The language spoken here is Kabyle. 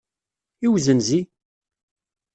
I uzenzi?